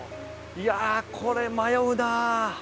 いやあこれ迷うな。